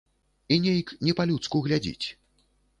І нейк не па-людску глядзіць.